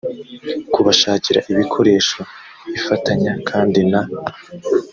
kubashakira ibikoresho ifatanya kandi na